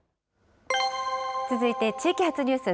続いて地域発ニュース。